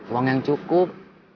uang yang cukup